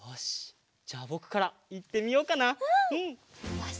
よし。